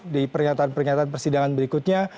di pernyataan pernyataan persidangan berikutnya